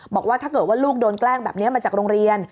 บอกว่าถ้าเกิดว่าลูกโดนแกล้งแบบนี้มาจากโรงเรียน